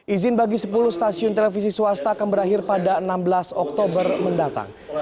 izin bagi sepuluh stasiun televisi swasta akan berakhir pada enam belas oktober mendatang